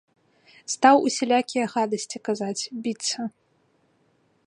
Стаў усялякія гадасці казаць, біцца.